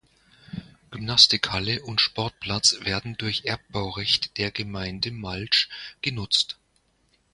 Gymnastikhalle und Sportplatz werden durch Erbbaurecht der Gemeinde Malsch genutzt.